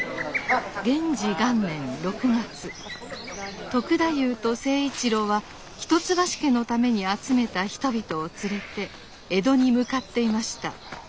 元治元年６月篤太夫と成一郎は一橋家のために集めた人々を連れて江戸に向かっていました。